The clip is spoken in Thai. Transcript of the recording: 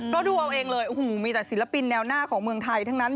เพราะดูเอาเองเลยโอ้โหมีแต่ศิลปินแนวหน้าของเมืองไทยทั้งนั้น